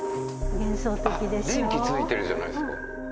電気ついてるじゃないっすか。